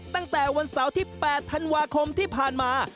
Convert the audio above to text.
ตั้งแต่วันเสาร์ที่๘ธันวาคมที่ผ่านมา